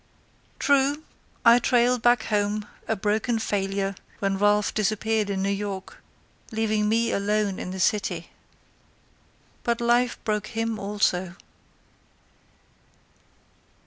True, I trailed back home, a broken failure, When Ralph disappeared in New York, Leaving me alone in the city— But life broke him also.